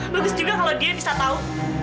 bagus juga kalau dia bisa tahu